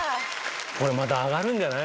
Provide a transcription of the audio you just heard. これまた上がるんじゃない？